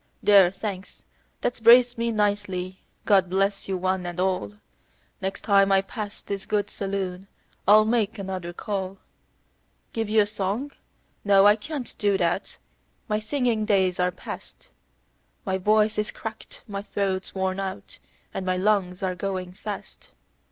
"There, thanks, that's braced me nicely; God bless you one and all; Next time I pass this good saloon I'll make another call. Give you a song? No, I can't do that; my singing days are past; My voice is cracked, my throat's worn out, and my lungs are going fast.